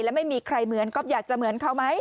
แล้วไม่มีใครเหมือนก๊อฟอยากจะเหมือนเขาไหม